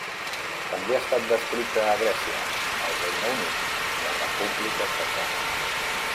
També ha estat descrita a Grècia, el Regne Unit i la República Txeca.